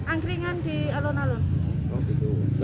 angkringan di alun alun